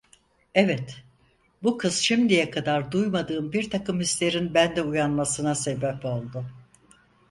Evet, bu kız şimdiye kadar duymadığım birtakım hislerin bende uyanmasına sebep oldu.